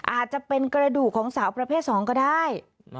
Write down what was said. อาจจะเป็นกระดูกของสาวประเภท๒ก็ได้